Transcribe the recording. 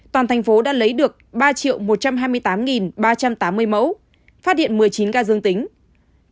toàn thành phố đã lấy được ba một trăm hai mươi tám ba trăm tám mươi mẫu phát hiện một mươi chín ca dương tính